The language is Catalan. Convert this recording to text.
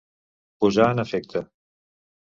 Posar en efecte.